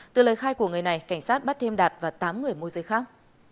từ lời khai của người này cảnh sát bắt thêm đạt và tám người môi giới khác